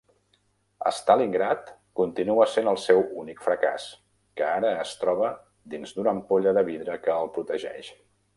Stalingrad continua sent el seu únic fracàs, que ara es troba dins d'una ampolla de vidre que el protegeix.